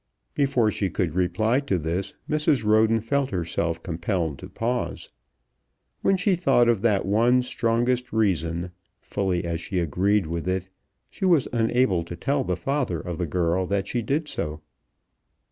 Before she could reply to this Mrs. Roden felt herself compelled to pause. When she thought of that one strongest reason, fully as she agreed with it, she was unable to tell the father of the girl that she did so.